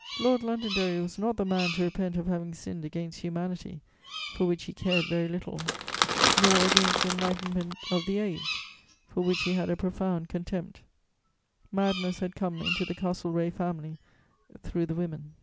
Lord Londonderry was not the man to repent of having sinned against humanity, for which he cared very little, nor against the enlightenment of the age, for which he had a profound contempt: madness had come into the Castlereagh family through the women.